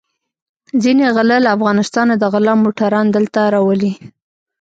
ځينې غله له افغانستانه د غلا موټران دلته راولي.